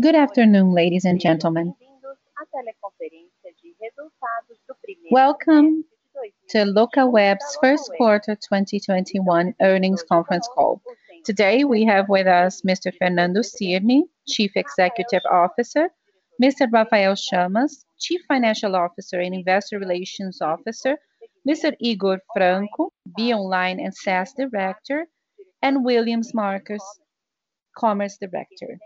Good afternoon, ladies and gentlemen. Welcome to Locaweb's first quarter 2021 earnings conference call. Today we have with us Mr. Fernando Cirne, Chief Executive Officer, Mr. Rafael Chamas, Chief Financial Officer and Investor Relations Officer, Mr. Higor Franco, BeOnline and SaaS Director, and Willians Marques, Commerce Director.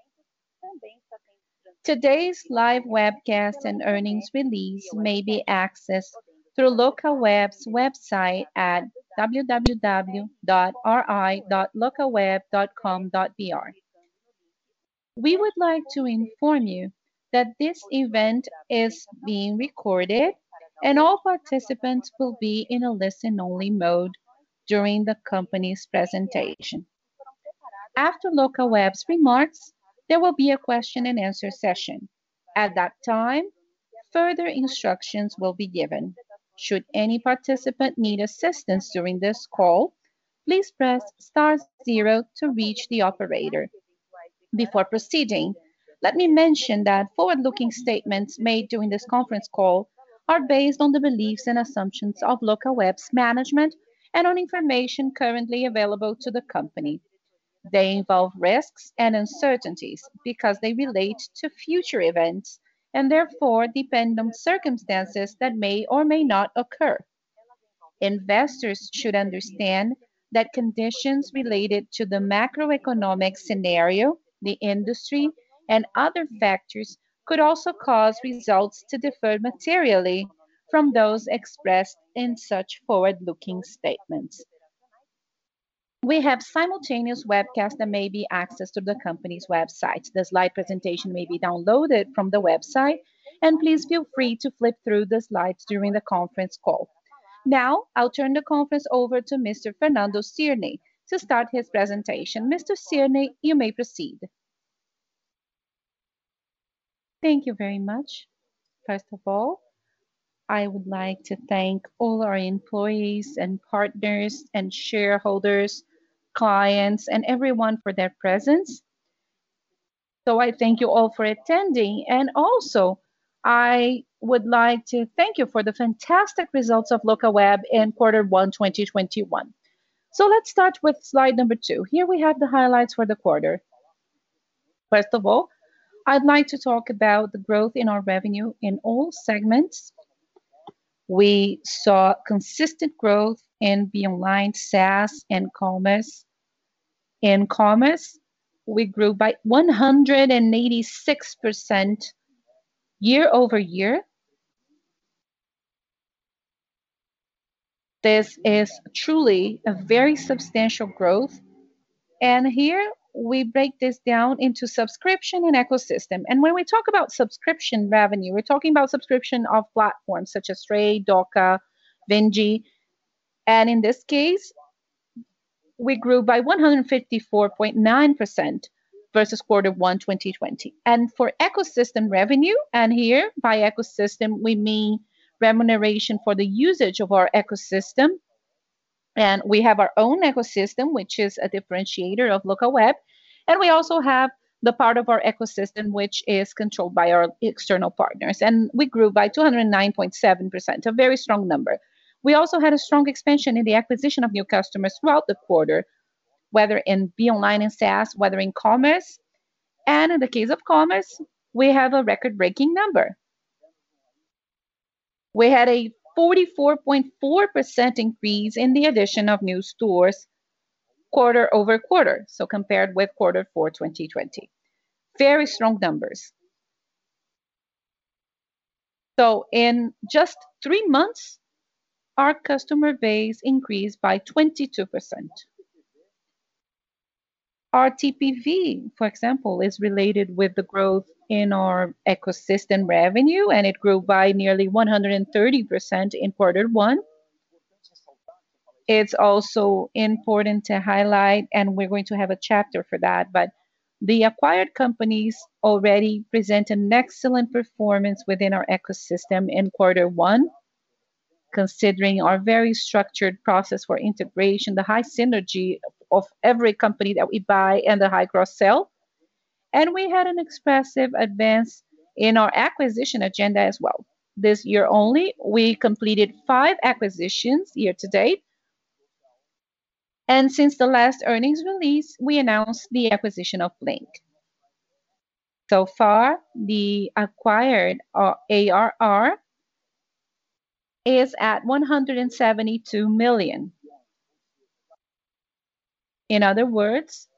Today's live webcast and earnings release may be accessed through Locaweb's website at www.ri.locaweb.com.br. We would like to inform you that this event is being recorded, and all participants will be in a listen-only mode during the company's presentation. After Locaweb's remarks, there will be a question-and-answer session. At that time, further instructions will be given. Should any participant need assistance during this call, please press star zero to reach the operator. Before proceeding, let me mention that forward-looking statements made during this conference call are based on the beliefs and assumptions of Locaweb's management and on information currently available to the company. They involve risks and uncertainties because they relate to future events and therefore depend on circumstances that may or may not occur. Investors should understand that conditions related to the macroeconomic scenario, the industry, and other factors could also cause results to differ materially from those expressed in such forward-looking statements. We have simultaneous webcast that may be accessed through the company's website. The slide presentation may be downloaded from the website, and please feel free to flip through the slides during the conference call. Now, I'll turn the conference over to Mr. Fernando Cirne to start his presentation. Mr. Cirne, you may proceed. Thank you very much. I would like to thank all our employees and partners and shareholders, clients, and everyone for their presence. I thank you all for attending, and also, I would like to thank you for the fantastic results of Locaweb in quarter one 2021. Let's start with slide number two. Here we have the highlights for the quarter. I'd like to talk about the growth in our revenue in all segments. We saw consistent growth in BeOnline, SaaS, and Commerce. In Commerce, we grew by 186% year-over-year. This is truly a very substantial growth. Here we break this down into subscription and ecosystem. When we talk about subscription revenue, we are talking about subscription of platforms such as Tray, Dooca, Vindi. In this case, we grew by 154.9% versus quarter one 2020. For ecosystem revenue, here by ecosystem we mean remuneration for the usage of our ecosystem. We have our own ecosystem, which is a differentiator of Locaweb, and we also have the part of our ecosystem, which is controlled by our external partners. We grew by 209.7%, a very strong number. We also had a strong expansion in the acquisition of new customers throughout the quarter, whether in BeOnline and SaaS, whether in Commerce. In the case of Commerce, we have a record-breaking number. We had a 44.4% increase in the addition of new stores quarter-over-quarter, so compared with quarter four 2020. Very strong numbers. In just three months, our customer base increased by 22%. Our TPV, for example, is related with the growth in our ecosystem revenue, and it grew by nearly 130% in quarter one. It's also important to highlight, and we're going to have a chapter for that, but the acquired companies already present an excellent performance within our ecosystem in quarter one, considering our very structured process for integration, the high synergy of every company that we buy, and the high gross sell. We had an expressive advance in our acquisition agenda as well. This year only, we completed five acquisitions year-to-date. Since the last earnings release, we announced the acquisition of Bling. So far, the acquired ARR is at 172 million. In other words,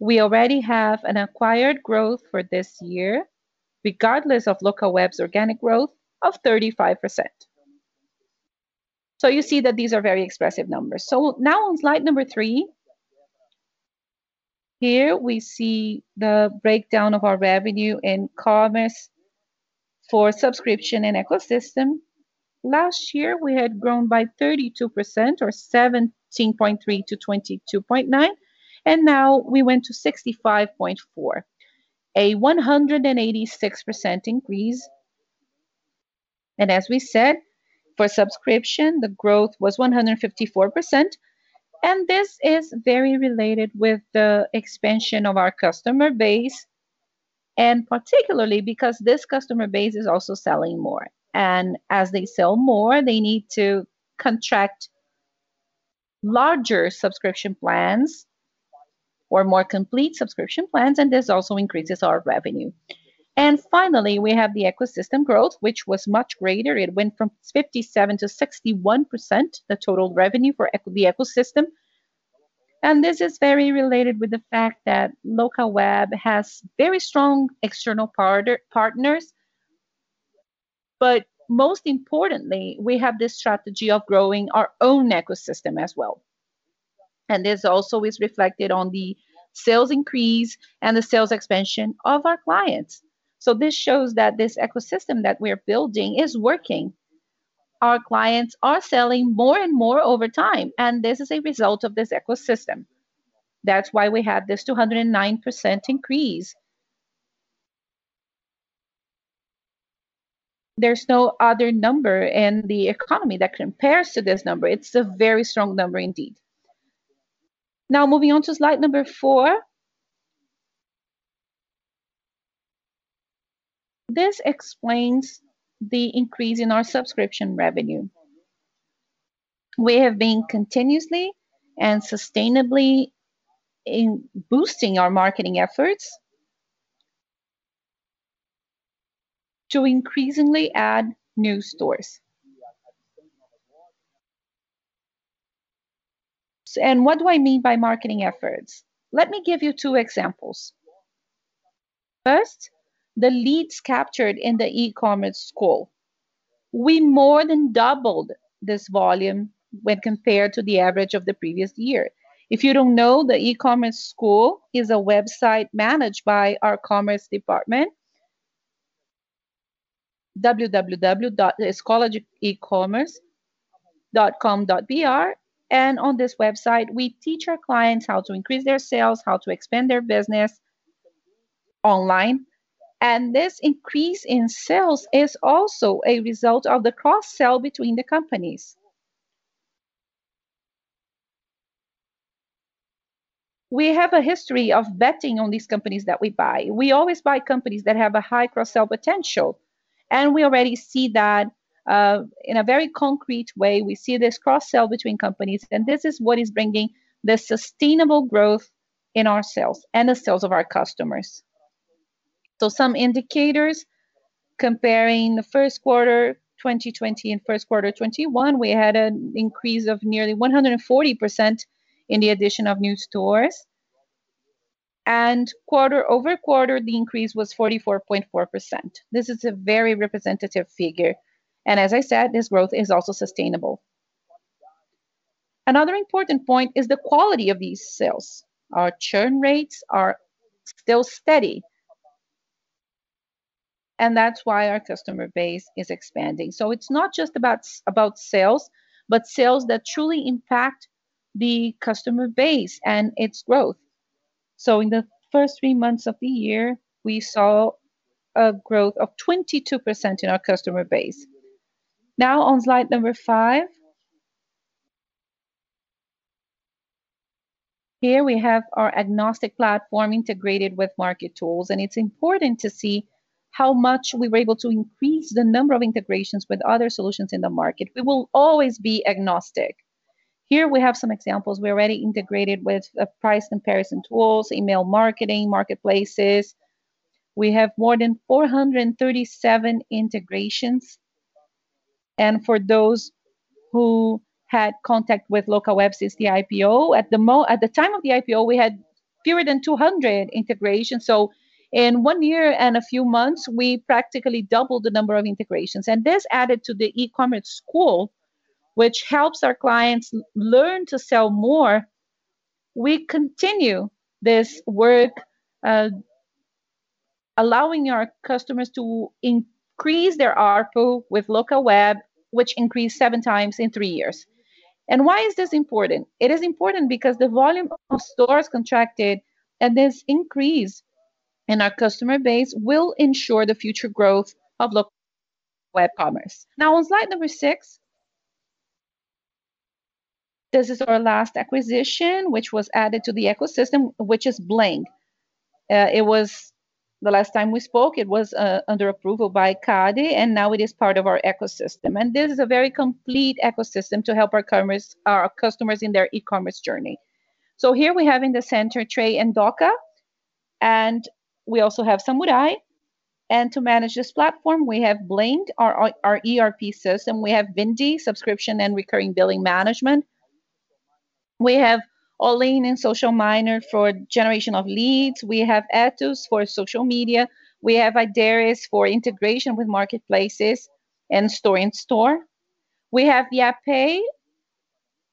we already have an acquired growth for this year, regardless of Locaweb's organic growth of 35%. You see that these are very expressive numbers. Now on slide number three. Here we see the breakdown of our revenue in Commerce for subscription and ecosystem. Last year, we had grown by 32%, or 17.3-22.9, and now we went to 65.4, a 186% increase. As we said, for subscription, the growth was 154%, and this is very related with the expansion of our customer base, and particularly because this customer base is also selling more. As they sell more, they need to contract larger subscription plans or more complete subscription plans, and this also increases our revenue. Finally, we have the ecosystem growth, which was much greater. It went from 57%-61%, the total revenue for the ecosystem. This is very related with the fact that Locaweb has very strong external partners. Most importantly, we have this strategy of growing our own ecosystem as well. This also is reflected on the sales increase and the sales expansion of our clients. This shows that this ecosystem that we're building is working. Our clients are selling more and more over time, this is a result of this ecosystem. That's why we have this 209% increase. There's no other number in the economy that compares to this number. It's a very strong number indeed. Moving on to slide four. This explains the increase in our subscription revenue. We have been continuously and sustainably boosting our marketing efforts to increasingly add new stores. What do I mean by marketing efforts? Let me give you two examples. First, the leads captured in the E-commerce School. We more than doubled this volume when compared to the average of the previous year. If you don't know, the e-commerce school is a website managed by our Commerce Department, www.escoladeecommerce.com.br. On this website, we teach our clients how to increase their sales, how to expand their business online. This increase in sales is also a result of the cross-sell between the companies. We have a history of betting on these companies that we buy. We always buy companies that have a high cross-sell potential, and we already see that in a very concrete way. We see this cross-sell between companies, and this is what is bringing the sustainable growth in our sales and the sales of our customers. Some indicators comparing the first quarter 2020 and first quarter 2021, we had an increase of nearly 140% in the addition of new stores. Quarter-over-quarter, the increase was 44.4%. This is a very representative figure. As I said, this growth is also sustainable. Another important point is the quality of these sales. Our churn rates are still steady. That's why our customer base is expanding. It's not just about sales, but sales that truly impact the customer base and its growth. In the first three months of the year, we saw a growth of 22% in our customer base. On slide number five. Here we have our agnostic platform integrated with market tools, and it's important to see how much we were able to increase the number of integrations with other solutions in the market. We will always be agnostic. Here we have some examples. We already integrated with price comparison tools, email marketing, marketplaces. We have more than 437 integrations. For those who had contact with Locaweb since the IPO, at the time of the IPO, we had fewer than 200 integrations. In one year and a few months, we practically doubled the number of integrations. This added to the e-commerce school, which helps our clients learn to sell more. We continue this work, allowing our customers to increase their ARPU with Locaweb, which increased seven times in three years. Why is this important? It is important because the volume of stores contracted, and this increase in our customer base will ensure the future growth of Locaweb Commerce. On slide number six. This is our last acquisition, which was added to the ecosystem, which is Bling. The last time we spoke, it was under approval by Cade, and now it is part of our ecosystem. This is a very complete ecosystem to help our customers in their e-commerce journey. Here we have in the center Tray and Dooca, and we also have Ideris. To manage this platform, we have Bling, our ERP system. We have Vindi, subscription and recurring billing management. We have All In and Social Miner for generation of leads. We have Etus for social media. We have Ideris for integration with marketplaces and store in store. We have Yapay,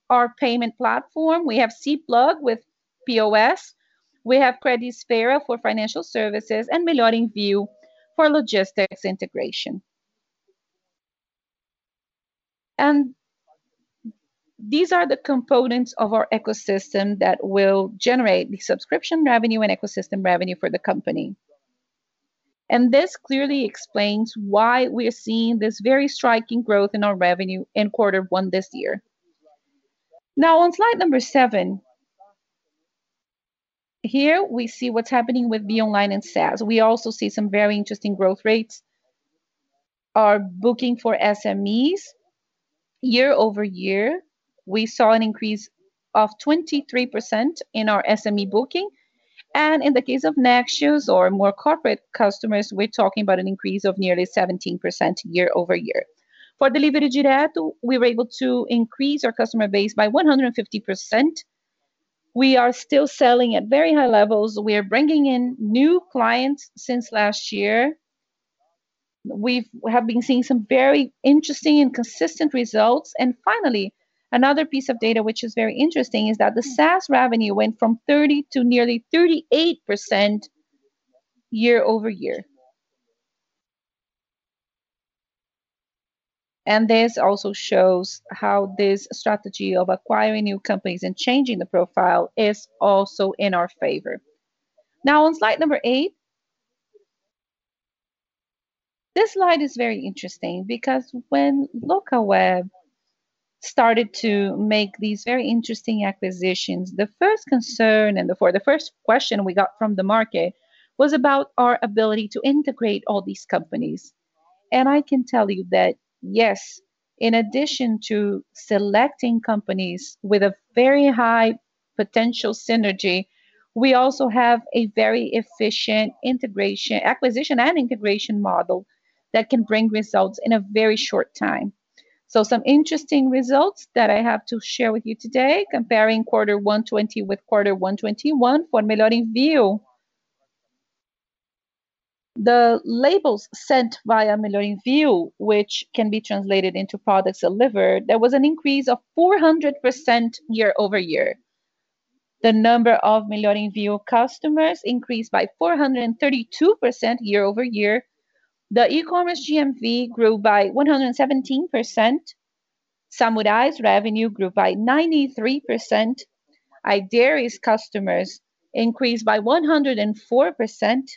our payment platform. We have CPlug with POS. We have Credisfera for financial services, and Melhor Envio for logistics integration. These are the components of our ecosystem that will generate the subscription revenue and ecosystem revenue for the company. This clearly explains why we are seeing this very striking growth in our revenue in quarter one this year. Now, on slide number seven, here we see what's happening with BeOnline and SaaS. We also see some very interesting growth rates. Our booking for SMEs, year-over-year, we saw an increase of 23% in our SME booking. In the case of Nextios or more corporate customers, we're talking about an increase of nearly 17% year-over-year. For Delivery Direto, we were able to increase our customer base by 150%. We are still selling at very high levels. We are bringing in new clients since last year. We have been seeing some very interesting and consistent results. Finally, another piece of data which is very interesting is that the SaaS revenue went from 30% to nearly 38% year-over-year. This also shows how this strategy of acquiring new companies and changing the profile is also in our favor. On slide eight. This slide is very interesting because when Locaweb started to make these very interesting acquisitions, the first concern and the first question we got from the market was about our ability to integrate all these companies. I can tell you that, yes, in addition to selecting companies with a very high potential synergy, we also have a very efficient acquisition and integration model that can bring results in a very short time. Some interesting results that I have to share with you today, comparing quarter one 2020 with quarter one 2021 for Melhor Envio. The labels sent via Melhor Envio, which can be translated into products delivered, there was an increase of 400% year-over-year. The number of Melhor Envio customers increased by 432% year-over-year. The e-commerce GMV grew by 117%. Samuraí's revenue grew by 93%. Ideris customers increased by 104%.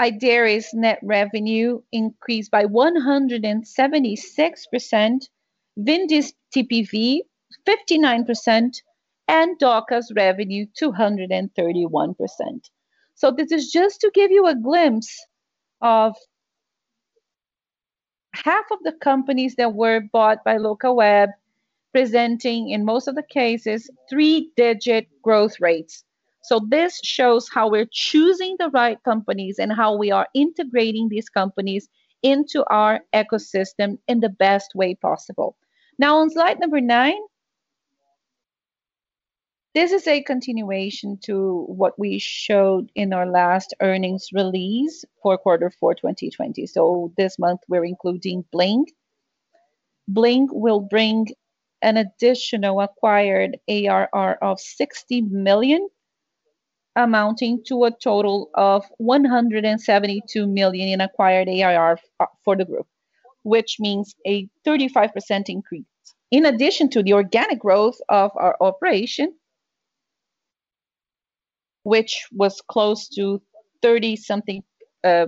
Ideris net revenue increased by 176%. Vindi's TPV, 59%, and Dooca's revenue, 231%. This is just to give you a glimpse of half of the companies that were bought by Locaweb presenting, in most of the cases, three-digit growth rates. This shows how we're choosing the right companies and how we are integrating these companies into our ecosystem in the best way possible. On slide number nine. This is a continuation to what we showed in our last earnings release for Q4 2020. This month we're including Bling. Bling will bring an additional acquired ARR of 60 million, amounting to a total of 172 million in acquired ARR for the group, which means a 35% increase. In addition to the organic growth of our operation, which was close to 30-something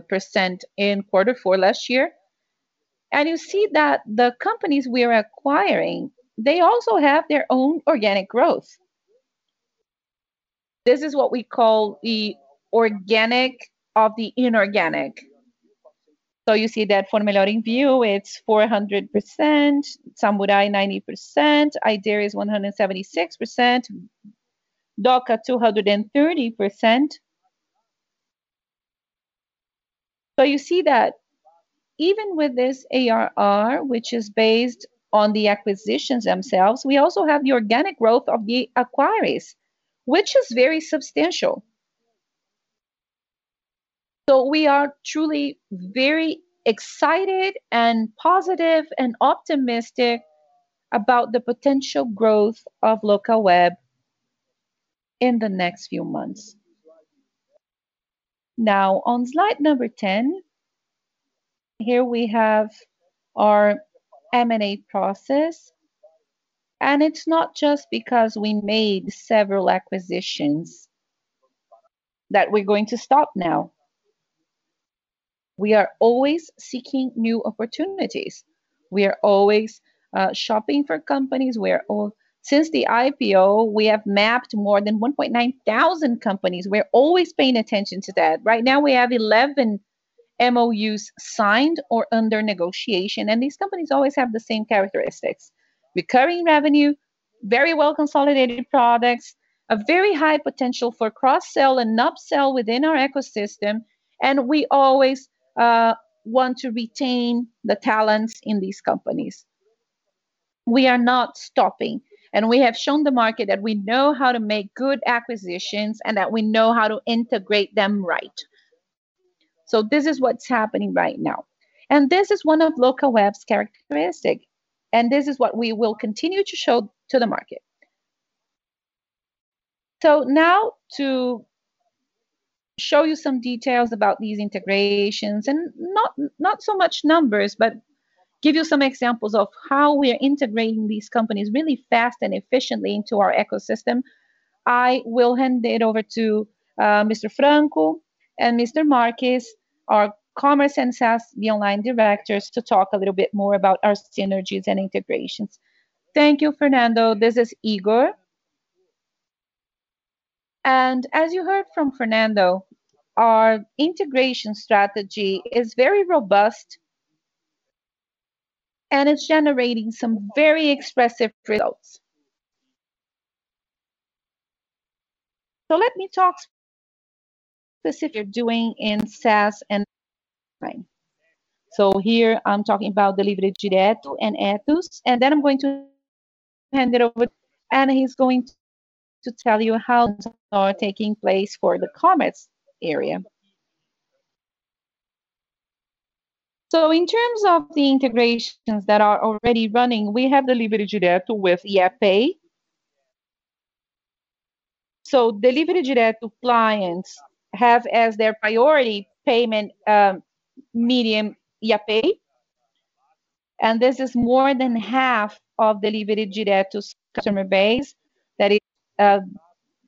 percent in Q4 last year. You see that the companies we are acquiring, they also have their own organic growth. This is what we call the organic of the inorganic. You see that for Melhor Envio, it's 400%, Social Miner 90%, Ideris 176%, Dooca 230%. You see that even with this ARR, which is based on the acquisitions themselves, we also have the organic growth of the acquirees, which is very substantial. We are truly very excited and positive and optimistic about the potential growth of Locaweb in the next few months. Now, on slide number 10, here we have our M&A process. It's not just because we made several acquisitions that we're going to stop now. We are always seeking new opportunities. We are always shopping for companies. Since the IPO, we have mapped more than 1,900 companies. We're always paying attention to that. Right now we have 11 MoUs signed or under negotiation, and these companies always have the same characteristics: recurring revenue, very well-consolidated products, a very high potential for cross-sell and upsell within our ecosystem, and we always want to retain the talents in these companies. We are not stopping, and we have shown the market that we know how to make good acquisitions and that we know how to integrate them right. This is what's happening right now. This is one of Locaweb's characteristics, and this is what we will continue to show to the market. Now to show you some details about these integrations, and not so much numbers, but give you some examples of how we are integrating these companies really fast and efficiently into our ecosystem. I will hand it over to Mr. Franco and Mr. Marques, our Commerce and SaaS BeOnline directors, to talk a little bit more about our synergies and integrations. Thank you, Fernando. This is Higor. As you heard from Fernando, our integration strategy is very robust, and it's generating some very expressive results. Let me talk specific doing in SaaS and BeOnline. Here I'm talking about Delivery Direto and Etus, and then I'm going to hand it over, and he's going to tell you how those are taking place for the Commerce area. In terms of the integrations that are already running, we have Delivery Direto with Yapay. Delivery Direto clients have as their priority payment medium Yapay, and this is more than half of Delivery Direto's customer base that is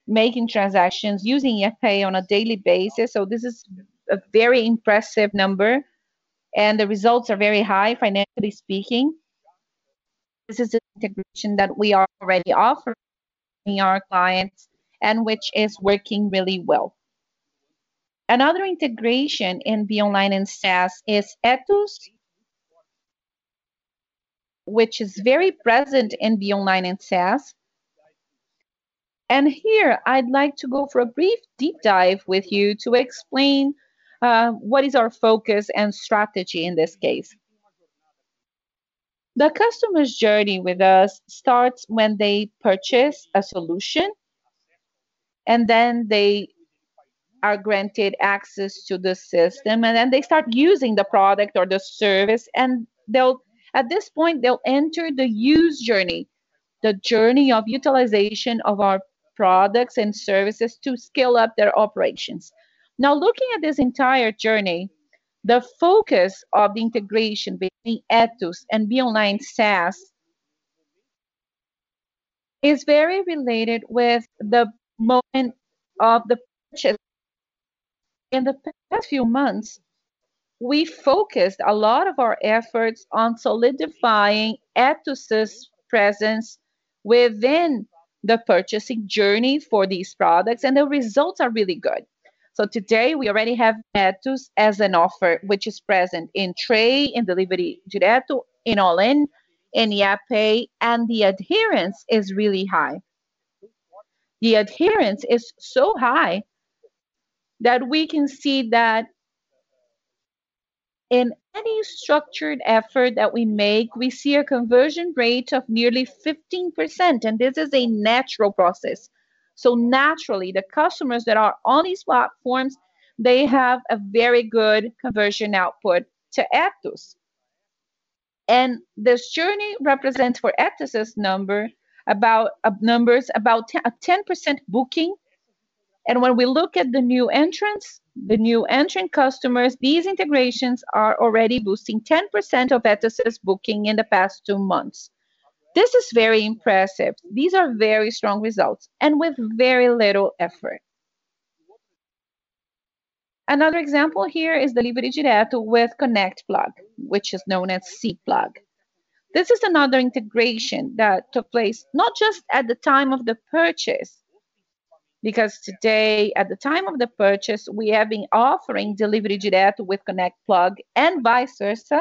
making transactions using Yapay on a daily basis. This is a very impressive number, and the results are very high financially speaking. This is an integration that we are already offering our clients and which is working really well. Another integration in BeOnline and SaaS is Etus, which is very present in BeOnline and SaaS. Here I'd like to go for a brief deep dive with you to explain what is our focus and strategy in this case. The customer's journey with us starts when they purchase a solution, and then they are granted access to the system, and then they start using the product or the service. At this point, they'll enter the use journey, the journey of utilization of our products and services to scale up their operations. Now, looking at this entire journey, the focus of the integration between Etus and BeOnline SaaS is very related with the moment of the purchase. In the past few months, we focused a lot of our efforts on solidifying Etus' presence within the purchasing journey for these products, and the results are really good. Today we already have Etus as an offer, which is present in Tray, in Delivery Direto, in All In, in Yapay, and the adherence is really high. The adherence is so high that we can see that in any structured effort that we make, we see a conversion rate of nearly 15%, and this is a natural process. Naturally, the customers that are on these platforms, they have a very good conversion output to Etus. This journey represents for Etus' numbers about a 10% booking. When we look at the new entrants, the new entrant customers, these integrations are already boosting 10% of Etus' booking in the past two months. This is very impressive. These are very strong results and with very little effort. Another example here is Delivery Direto with Connectplug, which is known as CPlug. This is another integration that took place not just at the time of the purchase, because today at the time of the purchase, we have been offering Delivery Direto with Connectplug and vice versa.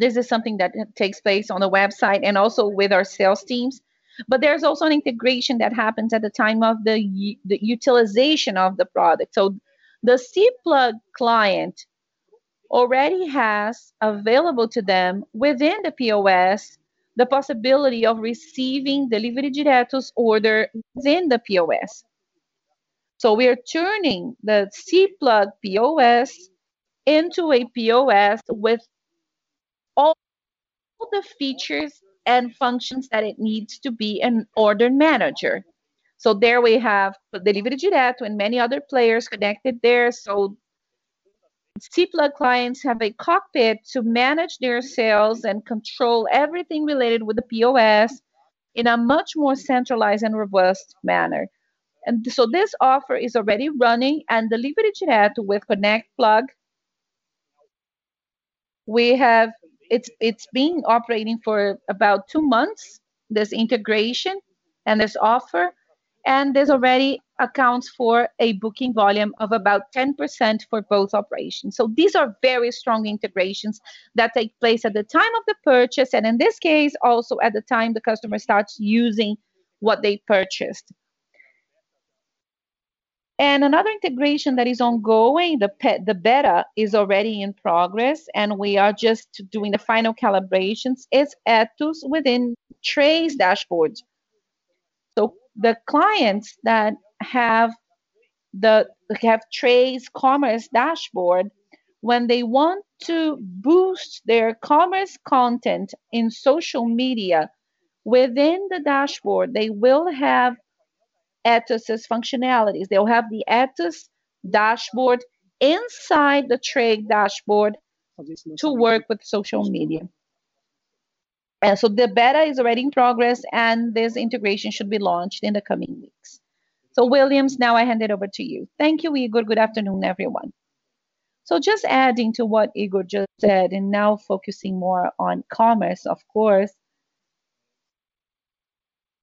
This is something that takes place on the website and also with our sales teams. There's also an integration that happens at the time of the utilization of the product. The CPlug client already has available to them within the POS, the possibility of receiving Delivery Direto's order within the POS. We are turning the CPlug POS into a POS with all the features and functions that it needs to be an order manager. There we have Delivery Direto and many other players connected there. CPlug clients have a cockpit to manage their sales and control everything related with the POS in a much more centralized and robust manner. This offer is already running and Delivery Direto with Connectplug, it's been operating for about two months, this integration and this offer, and this already accounts for a booking volume of about 10% for both operations. These are very strong integrations that take place at the time of the purchase, and in this case, also at the time the customer starts using what they purchased. Another integration that is ongoing, the beta is already in progress, and we are just doing the final calibrations, is Etus within Tray's dashboards. The clients that have Tray's commerce dashboard, when they want to boost their commerce content in social media within the dashboard, they will have Etus' functionalities. They'll have the Etus dashboard inside the Tray dashboard to work with social media. The beta is already in progress, and this integration should be launched in the coming weeks. Willians, now I hand it over to you. Thank you, Higor. Good afternoon, everyone. Just adding to what Higor just said, and now focusing more on commerce, of course,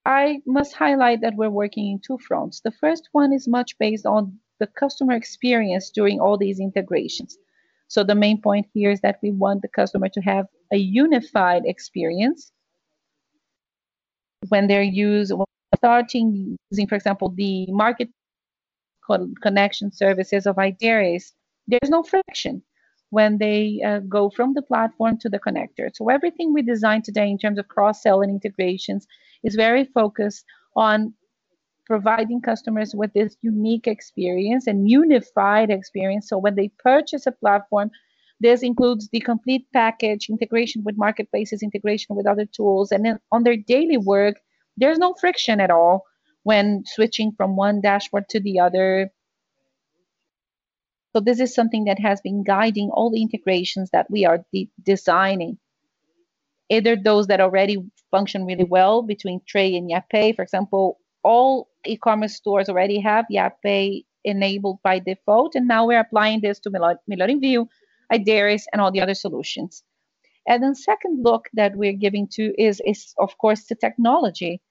I must highlight that we're working in two fronts. The first one is much based on the customer experience during all these integrations. The main point here is that we want the customer to have a unified experience when they're starting using, for example, the market connection services of Ideris. There's no friction when they go from the platform to the connector. Everything we design today in terms of cross-sell and integrations is very focused on providing customers with this unique experience and unified experience. When they purchase a platform, this includes the complete package integration with marketplaces, integration with other tools. On their daily work, there's no friction at all when switching from one dashboard to the other. This is something that has been guiding all the integrations that we are designing. Either those that already function really well between Tray and Yapay, for example, all e-commerce stores already have Yapay enabled by default, and now we're applying this to Melhor Envio, Ideris, and all the other solutions. Second look that we're giving to is, of course, the technology.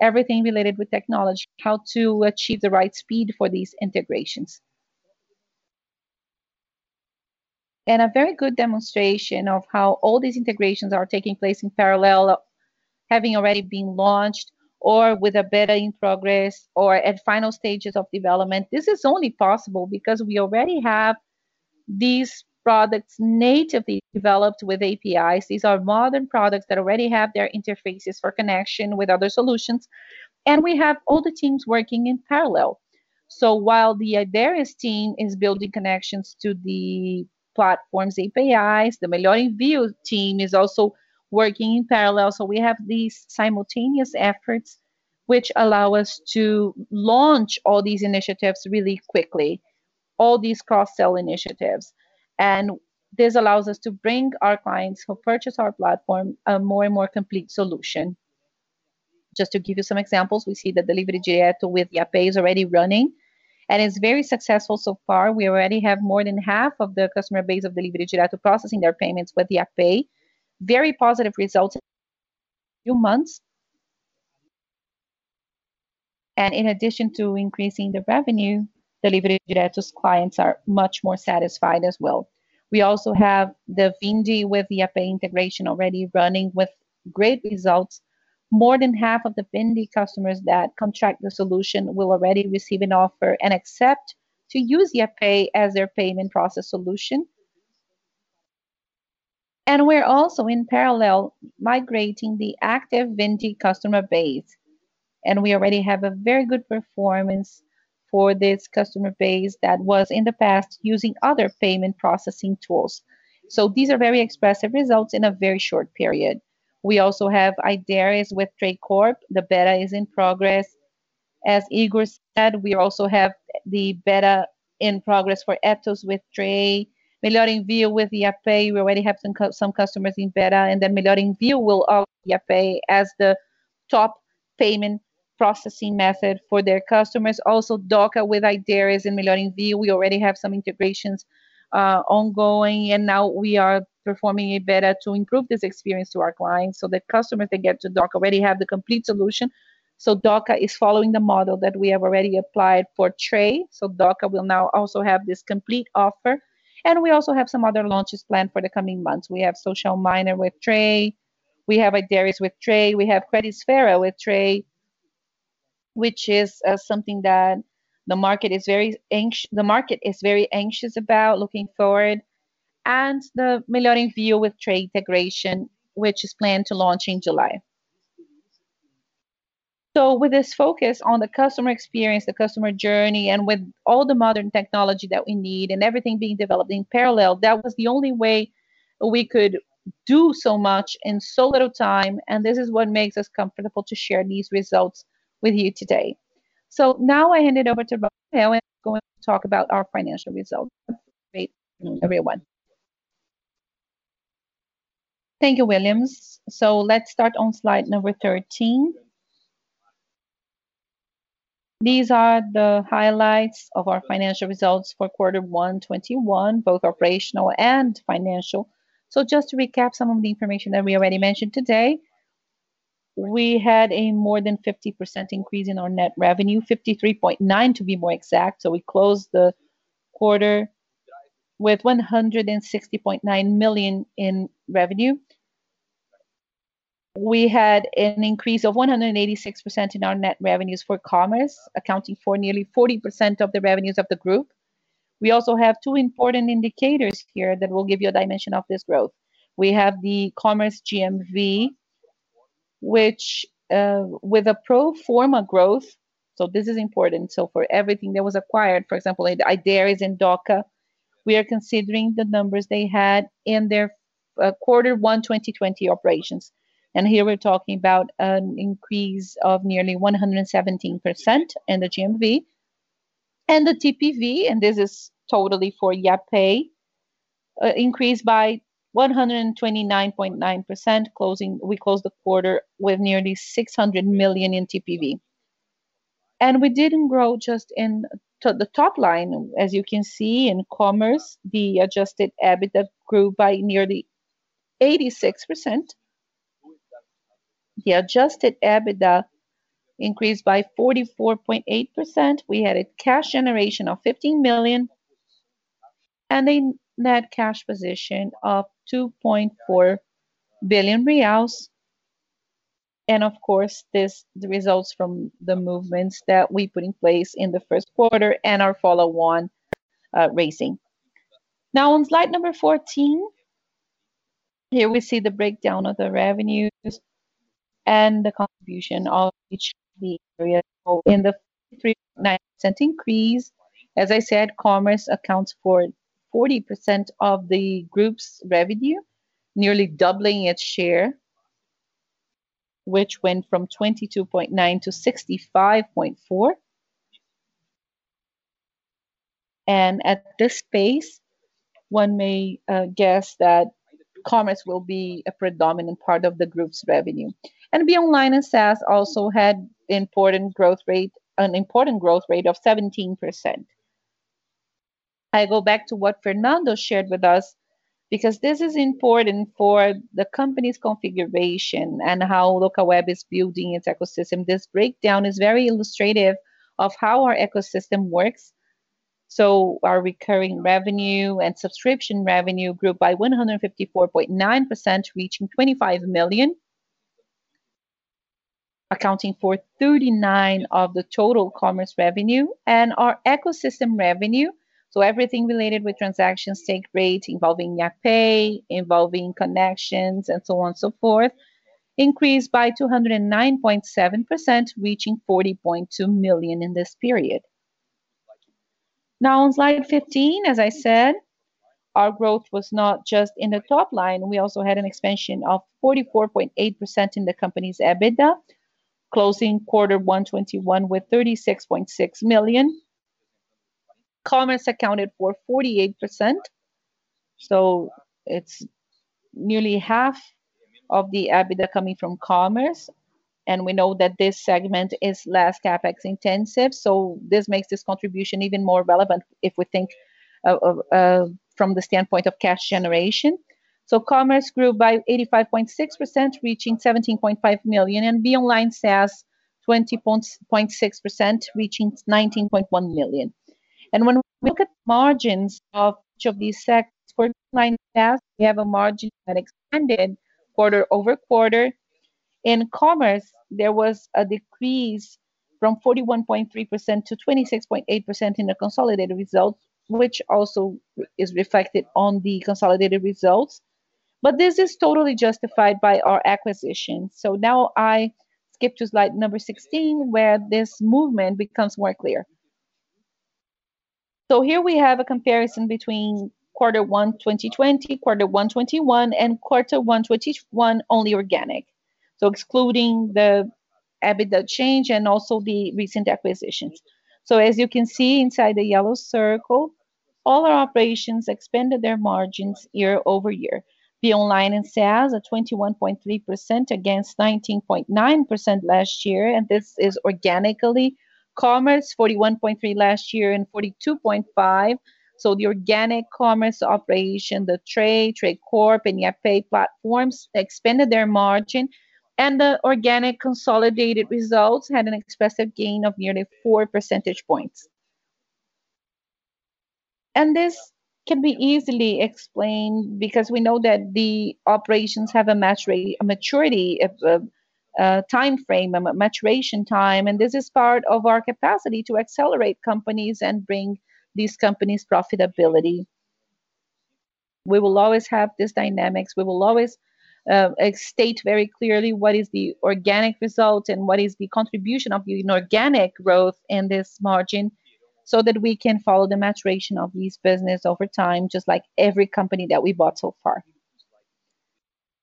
Everything related with technology, how to achieve the right speed for these integrations. A very good demonstration of how all these integrations are taking place in parallel, having already been launched or with a beta in progress or at final stages of development. This is only possible because we already have these products natively developed with APIs. These are modern products that already have their interfaces for connection with other solutions. We have all the teams working in parallel. While the Ideris team is building connections to the platform's APIs, the Melhor Envio team is also working in parallel. We have these simultaneous efforts which allow us to launch all these initiatives really quickly. All these cross-sell initiatives. This allows us to bring our clients who purchase our platform a more and more complete solution. Just to give you some examples, we see that Delivery Direto with Yapay is already running and is very successful so far. We already have more than half of the customer base of Delivery Direto processing their payments with Yapay. Very positive results in a few months. In addition to increasing the revenue, Delivery Direto's clients are much more satisfied as well. We also have the Vindi with Yapay integration already running with great results. More than half of the Vindi customers that contract the solution will already receive an offer and accept to use Yapay as their payment process solution. We're also in parallel migrating the active Vindi customer base. We already have a very good performance for this customer base that was in the past using other payment processing tools. These are very expressive results in a very short period. We also have Ideris with Tray Corp. The beta is in progress. As Higor said, we also have the beta in progress for Etus with Tray. Melhor Envio with Yapay, we already have some customers in beta, and then Melhor Envio will offer Yapay as the top payment processing method for their customers. Dooca with Ideris and Melhor Envio, we already have some integrations ongoing, and now we are performing a beta to improve this experience to our clients so that customers that get to Dooca already have the complete solution. Dooca is following the model that we have already applied for Tray. Dooca will now also have this complete offer. We also have some other launches planned for the coming months. We have Social Miner with Tray. We have Ideris with Tray. We have Credisfera with Tray, which is something that the market is very anxious about looking forward. The Melhor Envio with Tray integration, which is planned to launch in July. With this focus on the customer experience, the customer journey, and with all the modern technology that we need and everything being developed in parallel, that was the only way we could do so much in so little time, and this is what makes us comfortable to share these results with you today. Now I hand it over to Rafael Chamas, who is going to talk about our financial results. Back to you, everyone. Thank you, Willians. Let's start on slide 13. These are the highlights of our financial results for Q1 2021, both operational and financial. Just to recap some of the information that we already mentioned today. We had a more than 50% increase in our net revenue, 53.9% to be more exact. We closed the quarter with 160.9 million in revenue. We had an increase of 186% in our net revenues for commerce, accounting for nearly 40% of the revenues of the group. We also have two important indicators here that will give you a dimension of this growth. We have the commerce GMV, which with a pro forma growth. This is important. For everything that was acquired, for example, Ideris in Dooca. We are considering the numbers they had in their quarter one 2020 operations. Here we're talking about an increase of nearly 117% in the GMV. The TPV, and this is totally for Yapay, increased by 129.9%. We closed the quarter with nearly 600 million in TPV. We didn't grow just in the top line. As you can see in commerce, the adjusted EBITDA grew by nearly 86%. The adjusted EBITDA increased by 44.8%. We had a cash generation of 15 million and a net cash position of 2.4 billion reais. Of course, the results from the movements that we put in place in the first quarter and our follow-on raising. Now on slide number 14, here we see the breakdown of the revenues and the contribution of each of the areas. In the 3.9% increase, as I said, commerce accounts for 40% of the group's revenue, nearly doubling its share, which went from 22.9%-65.4%. At this pace, one may guess that commerce will be a predominant part of the group's revenue. BeOnline and SaaS also had an important growth rate of 17%. I go back to what Fernando shared with us because this is important for the company's configuration and how Locaweb is building its ecosystem. This breakdown is very illustrative of how our ecosystem works. Our recurring revenue and subscription revenue grew by 154.9%, reaching BRL 25 million, accounting for 39% of the total commerce revenue. Our ecosystem revenue, everything related to transaction take rate involving Yapay, involving connections and so on and so forth, increased by 209.7%, reaching 40.2 million in this period. On slide 15, as I said, our growth was not just in the top line. We also had an expansion of 44.8% in the company's EBITDA, closing Q1 2021 with 36.6 million. Commerce accounted for 48%, so it's nearly half of the EBITDA coming from commerce. We know that this segment is less CapEx intensive, so this makes this contribution even more relevant if we think from the standpoint of cash generation. Commerce grew by 85.6%, reaching 17.5 million. BeOnline SaaS, 20.6%, reaching 19.1 million. When we look at margins of each of these sectors for BeOnline SaaS, we have a margin that expanded quarter-over-quarter. In commerce, there was a decrease from 41.3%-26.8% in the consolidated results, which also is reflected on the consolidated results. This is totally justified by our acquisition. Now I skip to slide number 16, where this movement becomes more clear. Here we have a comparison between quarter one 2020, quarter one 2021, and quarter one 2021 only organic. Excluding the EBITDA change and also the recent acquisitions. As you can see inside the yellow circle, all our operations expanded their margins year-over-year. BeOnline and SaaS at 21.3% against 19.9% last year, and this is organically. Commerce 41.3% last year and 42.5%. The organic commerce operation, the Tray Corp, and Yapay platforms expanded their margin. The organic consolidated results had an expressive gain of nearly 4 percentage points. This can be easily explained because we know that the operations have a maturity of timeframe, a maturation time. This is part of our capacity to accelerate companies and bring these companies profitability. We will always have these dynamics. We will always state very clearly what is the organic result and what is the contribution of the inorganic growth in this margin so that we can follow the maturation of these business over time just like every company that we bought so far.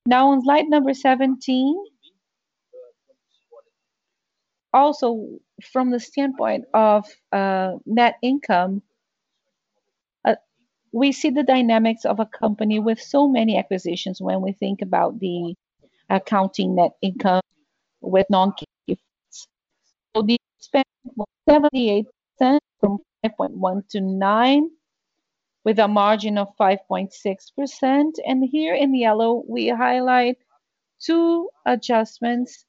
Now on slide number 17. Also from the standpoint of net income, we see the dynamics of a company with so many acquisitions when we think about the accounting net income with non-cash effects. The expense was 78%, from 5.1%-9%, with a margin of 5.6%. Here in yellow, we highlight two adjustments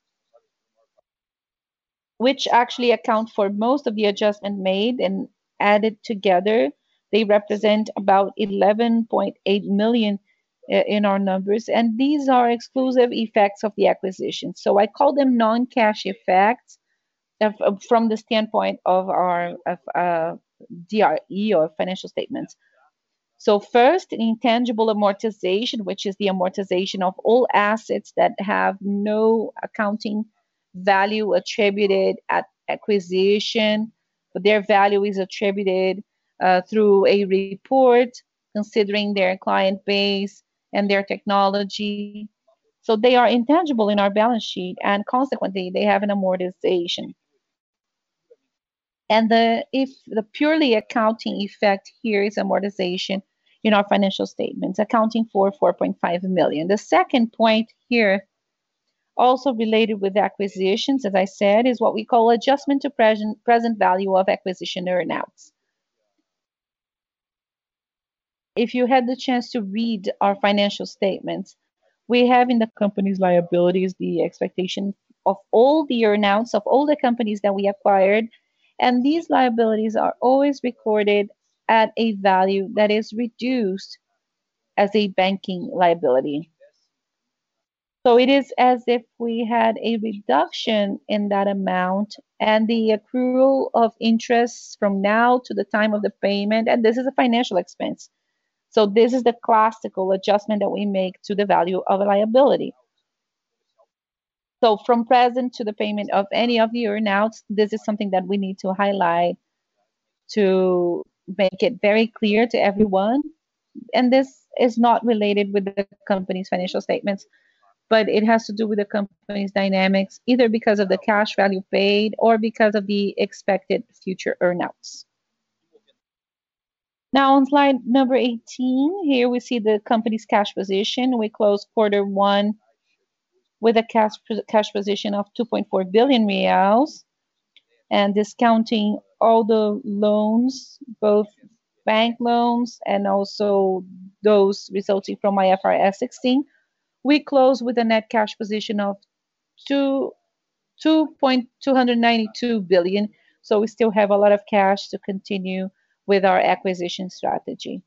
which actually account for most of the adjustment made. Added together, they represent about 11.8 million in our numbers. These are exclusive effects of the acquisition. I call them non-cash effects from the standpoint of our DRE or financial statements. First, intangible amortization, which is the amortization of all assets that have no accounting value attributed at acquisition, but their value is attributed through a report considering their client base and their technology. They are intangible in our balance sheet, and consequently, they have an amortization. If the purely accounting effect here is amortization in our financial statements, accounting for 4.5 million. The second point here, also related with acquisitions, as I said, is what we call adjustment to present value of acquisition earn-outs. If you had the chance to read our financial statements, we have in the company's liabilities the expectation of all the earn-outs of all the companies that we acquired, and these liabilities are always recorded at a value that is reduced as a banking liability. It is as if we had a reduction in that amount and the accrual of interest from now to the time of the payment, and this is a financial expense. This is the classical adjustment that we make to the value of a liability. From present to the payment of any of the earn-outs, this is something that we need to highlight to make it very clear to everyone. This is not related with the company's financial statements, but it has to do with the company's dynamics, either because of the cash value paid or because of the expected future earn-outs. Now on slide number 18, here we see the company's cash position. We closed quarter one with a cash position of 2.4 billion reais, and discounting all the loans, both bank loans and also those resulting from IFRS 16, we closed with a net cash position of 2.292 billion. We still have a lot of cash to continue with our acquisition strategy.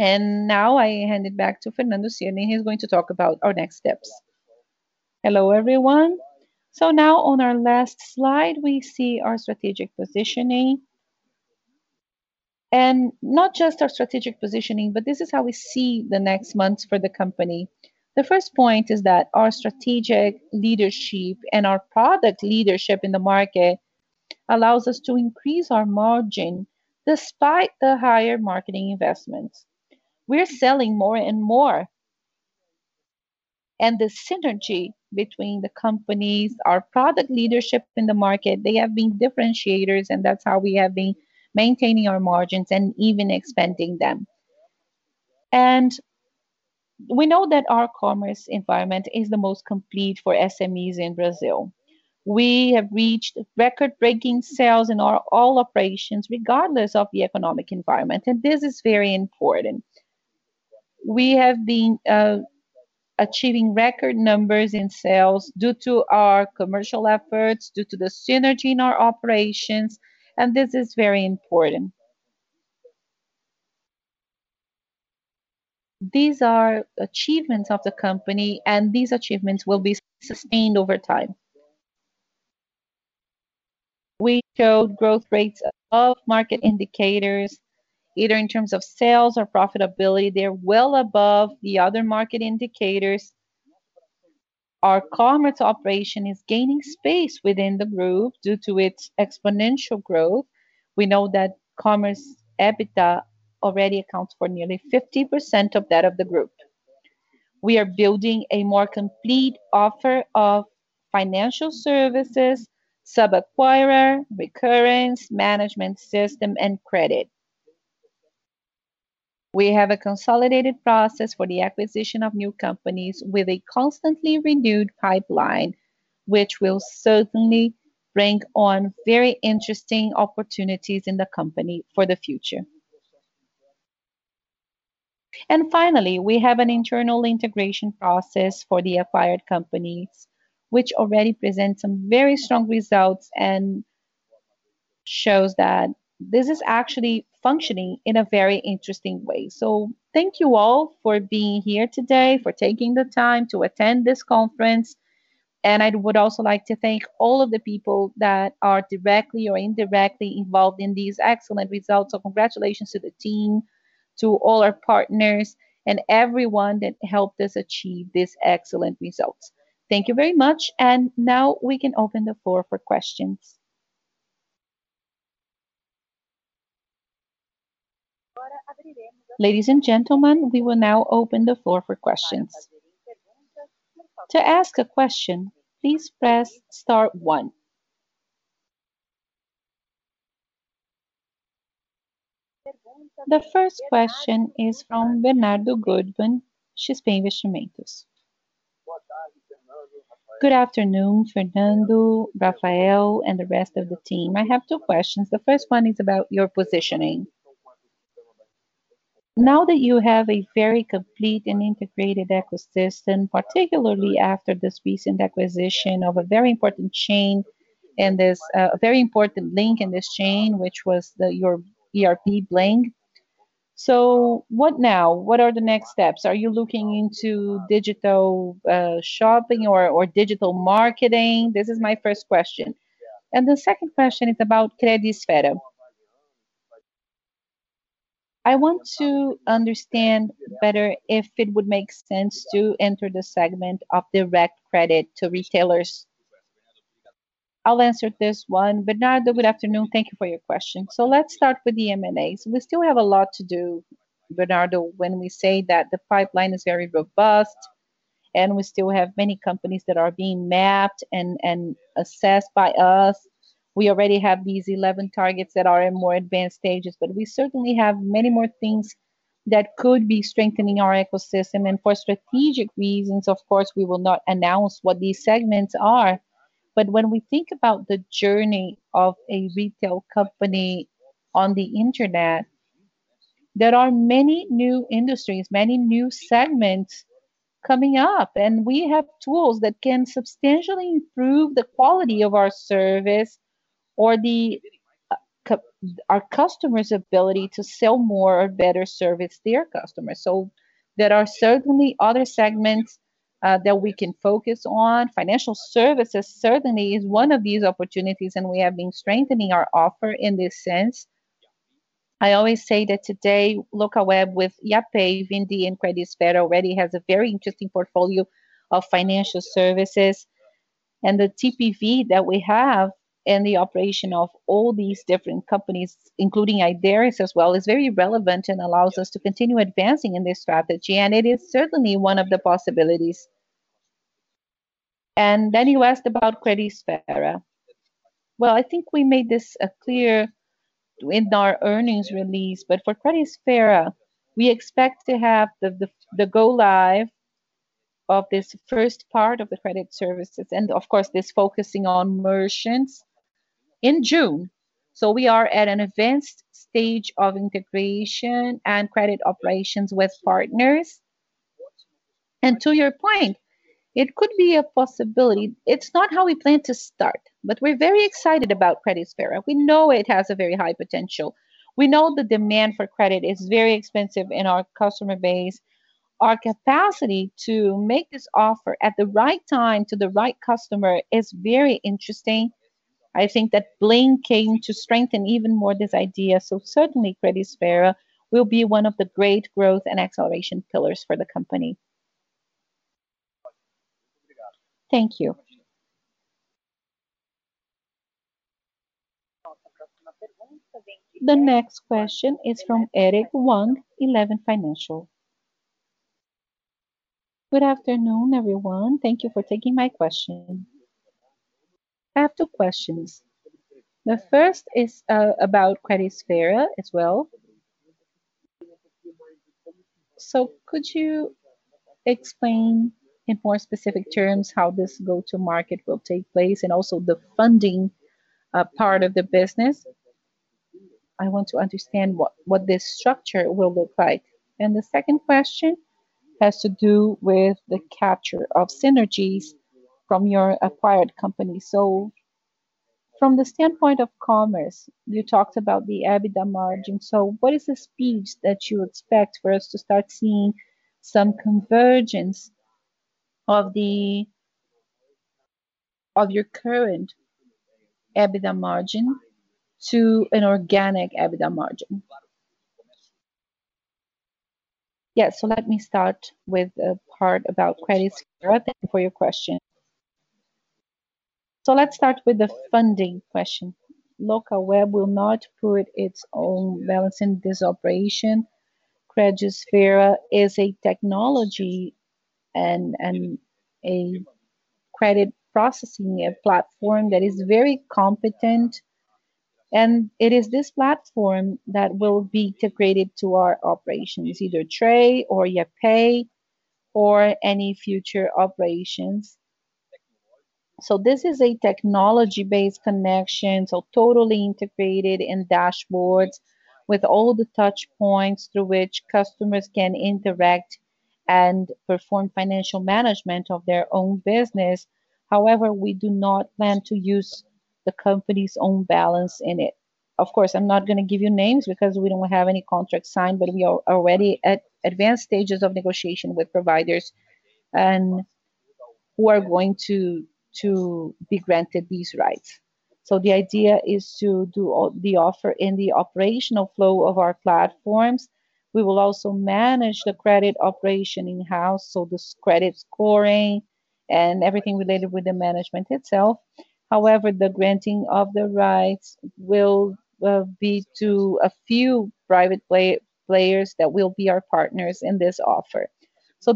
Now I hand it back to Fernando Cirne. He's going to talk about our next steps. Hello, everyone. Now on our last slide, we see our strategic positioning. Not just our strategic positioning, but this is how we see the next months for the company. The first point is that our strategic leadership and our product leadership in the market allows us to increase our margin despite the higher marketing investments. We're selling more and more. The synergy between the companies, our product leadership in the market, they have been differentiators, and that's how we have been maintaining our margins and even expanding them. We know that our commerce environment is the most complete for SMEs in Brazil. We have reached record-breaking sales in all operations, regardless of the economic environment, and this is very important. We have been achieving record numbers in sales due to our commercial efforts, due to the synergy in our operations, and this is very important. These are achievements of the company, and these achievements will be sustained over time. We showed growth rates above market indicators, either in terms of sales or profitability. They're well above the other market indicators. Our commerce operation is gaining space within the group due to its exponential growth. We know that commerce EBITDA already accounts for nearly 50% of that of the group. We are building a more complete offer of financial services, sub-acquirer, recurrence, management system, and credit. We have a consolidated process for the acquisition of new companies with a constantly renewed pipeline, which will certainly bring on very interesting opportunities in the company for the future. Finally, we have an internal integration process for the acquired companies, which already presents some very strong results and shows that this is actually functioning in a very interesting way. Thank you all for being here today, for taking the time to attend this conference. I would also like to thank all of the people that are directly or indirectly involved in these excellent results. Congratulations to the team, to all our partners, and everyone that helped us achieve these excellent results. Thank you very much. Now we can open the floor for questions. Ladies and gentlemen, we will now open the floor for questions. To ask a question, please press star one. The first question is from Bernardo Guttmann, XP Investimentos. Good afternoon, Fernando, Rafael, and the rest of the team. I have two questions. The first one is about your positioning. Now that you have a very complete and integrated ecosystem, particularly after this recent acquisition of a very important chain and this very important link in this chain, which was your ERP Bling. What now? What are the next steps? Are you looking into digital shopping or digital marketing? This is my first question. The second question is about Credisfera. I want to understand better if it would make sense to enter the segment of direct credit to retailers. I'll answer this one. Bernardo, good afternoon. Thank you for your question. Let's start with the M&As. We still have a lot to do, Bernardo, when we say that the pipeline is very robust, and we still have many companies that are being mapped and assessed by us. We already have these 11 targets that are in more advanced stages, but we certainly have many more things that could be strengthening our ecosystem. For strategic reasons, of course, we will not announce what these segments are. When we think about the journey of a retail company on the internet, there are many new industries, many new segments coming up. We have tools that can substantially improve the quality of our service or our customer's ability to sell more or better service to their customers. There are certainly other segments that we can focus on. Financial services certainly is one of these opportunities, and we have been strengthening our offer in this sense. I always say that today, Locaweb with Yapay, Vindi, and Credisfera already has a very interesting portfolio of financial services. The TPV that we have and the operation of all these different companies, including Ideris as well, is very relevant and allows us to continue advancing in this strategy, and it is certainly one of the possibilities. You asked about Credisfera. Well, I think we made this clear in our earnings release, but for Credisfera, we expect to have the go live of this first part of the credit services and, of course, this focusing on merchants in June. We are at an advanced stage of integration and credit operations with partners. To your point, it could be a possibility. It's not how we plan to start, we're very excited about Credisfera. We know it has a very high potential. We know the demand for credit is very expensive in our customer base. Our capacity to make this offer at the right time to the right customer is very interesting. I think that Bling came to strengthen even more this idea. Certainly Credisfera will be one of the great growth and acceleration pillars for the company. Thank you. The next question is from Eric Huang, Eleven Financial. Good afternoon, everyone. Thank you for taking my question. I have two questions. The first is about Credisfera as well. Could you explain in more specific terms how this go-to-market will take place and also the funding part of the business? I want to understand what this structure will look like. The second question has to do with the capture of synergies from your acquired company. From the standpoint of commerce, you talked about the EBITDA margin. What is the speed that you expect for us to start seeing some convergence of your current EBITDA margin to an organic EBITDA margin? Let me start with the part about Credisfera. Thank you for your question. Let's start with the funding question. Locaweb will not put its own balance in this operation. Credisfera is a technology and a credit processing platform that is very competent, and it is this platform that will be integrated to our operations, either Tray or Yapay or any future operations. This is a technology-based connection, so totally integrated in dashboards with all the touchpoints through which customers can interact and perform financial management of their own business. However, we do not plan to use the company's own balance in it. Of course, I'm not going to give you names because we don't have any contracts signed, but we are already at advanced stages of negotiation with providers and who are going to be granted these rights. The idea is to do the offer in the operational flow of our platforms. We will also manage the credit operation in-house, so this credit scoring and everything related with the management itself. However, the granting of the rights will be to a few private players that will be our partners in this offer.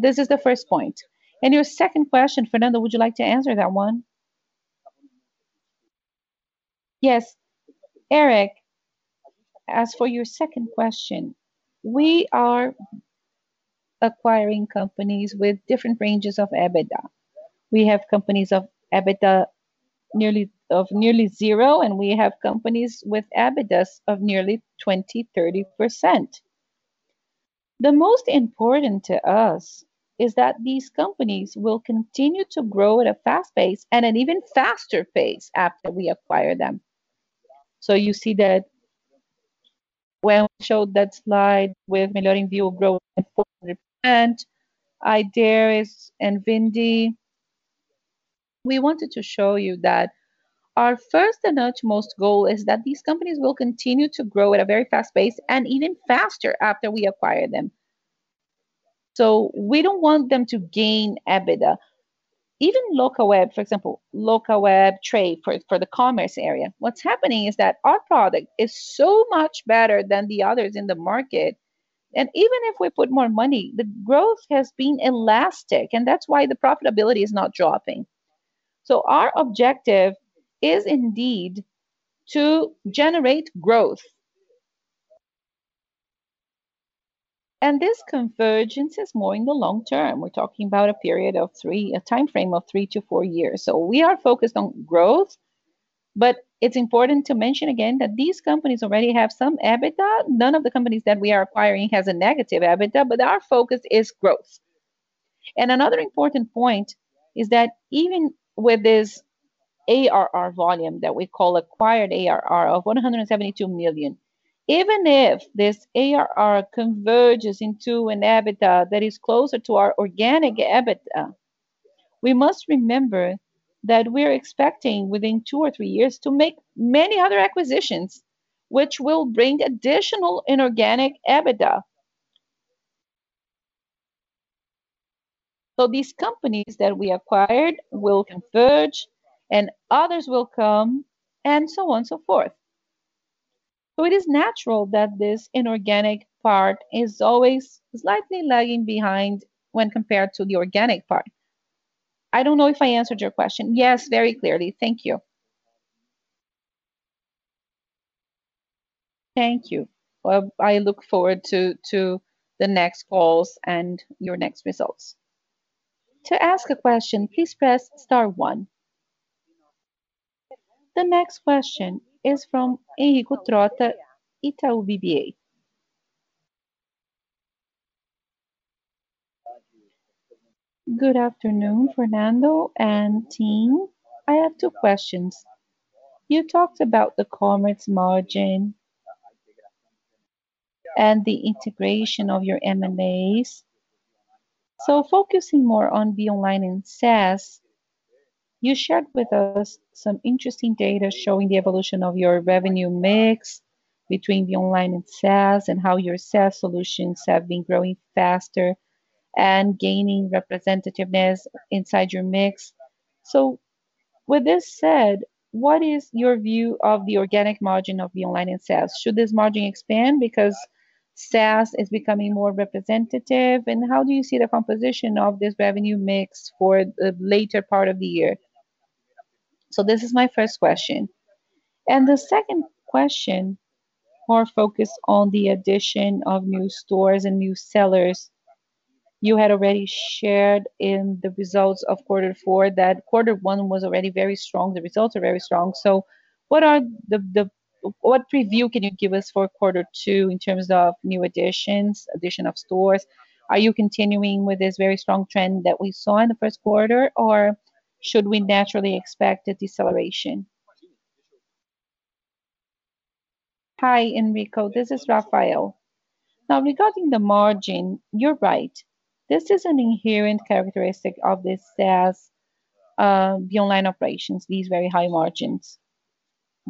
This is the first point. Your second question, Fernando, would you like to answer that one? Yes. Eric, as for your second question, we are acquiring companies with different ranges of EBITDA. We have companies of EBITDA of nearly 0%, and we have companies with EBITDAs of nearly 20%, 30%. The most important to us is that these companies will continue to grow at a fast pace and an even faster pace after we acquire them. You see that when we showed that slide with Melhor Envio growth at 40%, Ideris and Vindi, we wanted to show you that our first and utmost goal is that these companies will continue to grow at a very fast pace and even faster after we acquire them. We don't want them to gain EBITDA. Even Locaweb, for example, Tray for the commerce area. What's happening is that our product is so much better than the others in the market, and even if we put more money, the growth has been elastic, and that's why the profitability is not dropping. Our objective is indeed to generate growth. This convergence is more in the long term. We're talking about a timeframe of three to four years. We are focused on growth, but it's important to mention again that these companies already have some EBITDA. None of the companies that we are acquiring has a negative EBITDA, but our focus is growth. Another important point is that even with this ARR volume that we call acquired ARR of 172 million, even if this ARR converges into an EBITDA that is closer to our organic EBITDA, we must remember that we're expecting within two or three years to make many other acquisitions, which will bring additional inorganic EBITDA. These companies that we acquired will converge and others will come, and so on and so forth. It is natural that this inorganic part is always slightly lagging behind when compared to the organic part. I don't know if I answered your question. Yes, very clearly. Thank you. Thank you. I look forward to the next calls and your next results. To ask a question, please press star one. The next question is from Enrico Trotta, Itaú BBA. Good afternoon, Fernando and team. I have two questions. You talked about the commerce margin and the integration of your M&As. Focusing more on the online and SaaS, you shared with us some interesting data showing the evolution of your revenue mix between the online and SaaS and how your SaaS solutions have been growing faster and gaining representativeness inside your mix. With this said, what is your view of the organic margin of the online and SaaS? Should this margin expand because SaaS is becoming more representative? How do you see the composition of this revenue mix for the later part of the year? This is my first question. The second question, more focused on the addition of new stores and new sellers. You had already shared in the results of Q4 that Q1 was already very strong. The results are very strong. What preview can you give us for Q2 in terms of new additions, addition of stores? Are you continuing with this very strong trend that we saw in the Q1, or should we naturally expect a deceleration? Hi, Enrico. This is Rafael. Now, regarding the margin, you're right. This is an inherent characteristic of this SaaS, the online operations, these very high margins.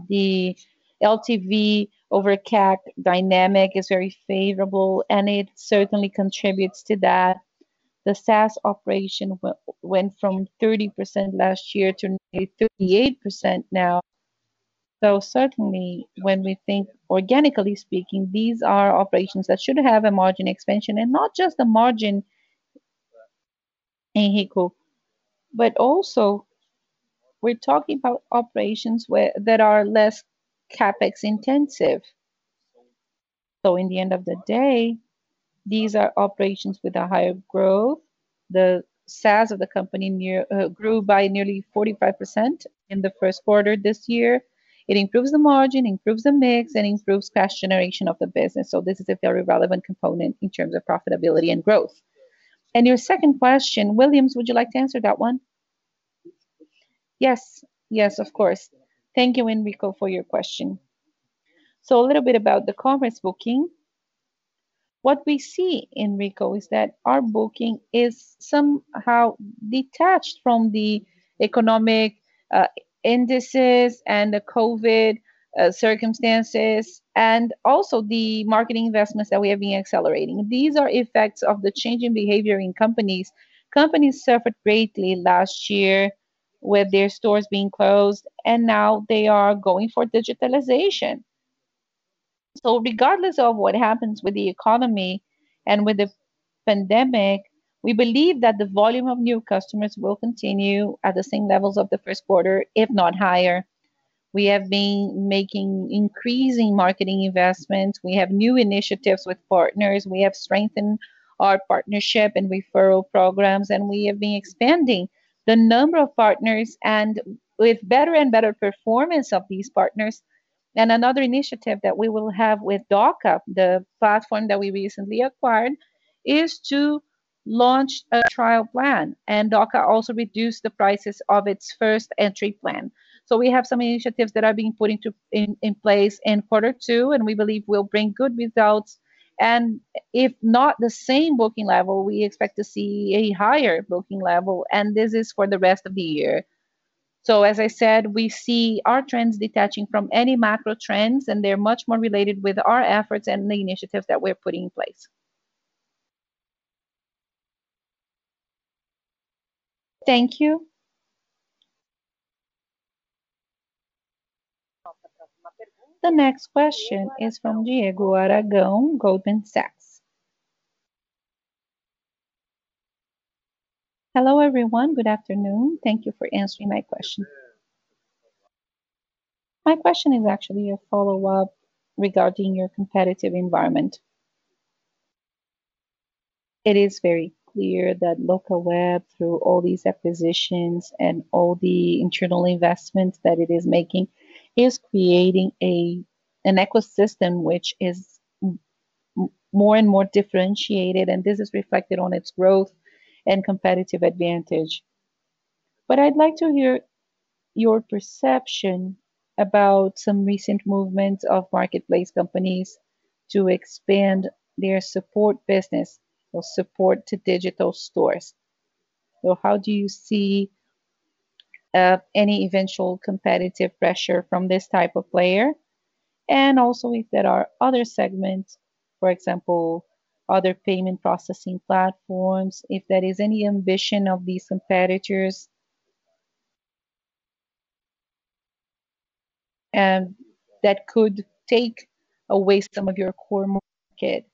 The LTV over CAC dynamic is very favorable. It certainly contributes to that. The SaaS operation went from 30% last year to nearly 38% now. Certainly when we think organically speaking, these are operations that should have a margin expansion, and not just the margin, Enrico, but also we're talking about operations that are less CapEx intensive. At the end of the day, these are operations with a higher growth. The SaaS of the company grew by nearly 45% in the first quarter this year. It improves the margin, improves the mix, and improves cash generation of the business. This is a very relevant component in terms of profitability and growth. Your second question, Willians, would you like to answer that one? Yes. Of course. Thank you, Enrico, for your question. A little bit about the commerce booking. What we see, Enrico, is that our booking is somehow detached from the economic indices and the COVID circumstances, and also the marketing investments that we have been accelerating. These are effects of the change in behavior in companies. Companies suffered greatly last year with their stores being closed, and now they are going for digitalization. Regardless of what happens with the economy and with the pandemic, we believe that the volume of new customers will continue at the same levels of the first quarter, if not higher. We have been making increasing marketing investments. We have new initiatives with partners. We have strengthened our partnership and referral programs, and we have been expanding the number of partners and with better and better performance of these partners. Another initiative that we will have with Dooca, the platform that we recently acquired, is to launch a trial plan. Dooca also reduced the prices of its first entry plan. We have some initiatives that are being put into in place in quarter two, and we believe will bring good results. If not the same booking level, we expect to see a higher booking level, and this is for the rest of the year. As I said, we see our trends detaching from any macro trends, and they're much more related with our efforts and the initiatives that we're putting in place. Thank you. The next question is from Diego Aragao, Goldman Sachs. Hello, everyone. Good afternoon. Thank you for answering my question. My question is actually a follow-up regarding your competitive environment. It is very clear that Locaweb, through all these acquisitions and all the internal investments that it is making, is creating an ecosystem which is more and more differentiated, and this is reflected on its growth and competitive advantage. I'd like to hear your perception about some recent movements of marketplace companies to expand their support business or support to digital stores. How do you see any eventual competitive pressure from this type of player? Also, if there are other segments, for example, other payment processing platforms, if there is any ambition of these competitors that could take away some of your core market.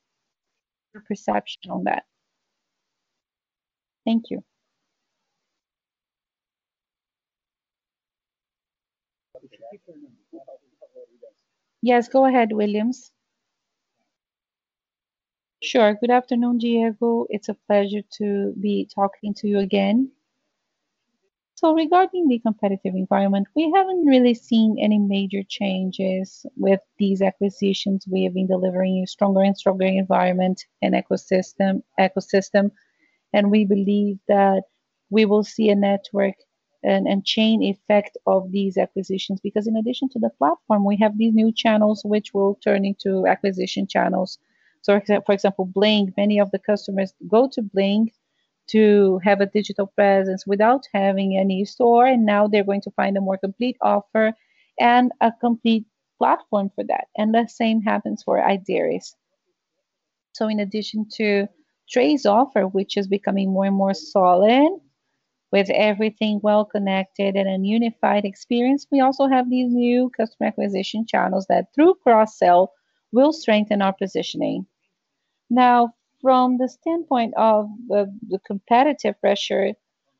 Your perception on that. Thank you. Yes, go ahead, Willians. Sure. Good afternoon, Diego. It's a pleasure to be talking to you again. Regarding the competitive environment, we haven't really seen any major changes with these acquisitions. We have been delivering a stronger and stronger environment and ecosystem. We believe that we will see a network and chain effect of these acquisitions because in addition to the platform, we have these new channels which will turn into acquisition channels. For example, Bling. Many of the customers go to Bling to have a digital presence without having any store, and now they're going to find a more complete offer and a complete platform for that. The same happens for Ideris. In addition to Tray's offer, which is becoming more and more solid with everything well-connected and a unified experience, we also have these new customer acquisition channels that, through cross-sell, will strengthen our positioning. Now, from the standpoint of the competitive pressure,